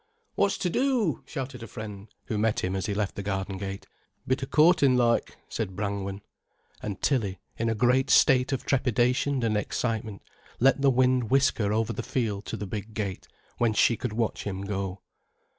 "What's to do?" shouted a friend who met him as he left the garden gate. "Bit of courtin', like," said Brangwen. And Tilly, in a great state of trepidation and excitement, let the wind whisk her over the field to the big gate, whence she could watch him go.